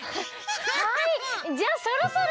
はいじゃあそろそろ。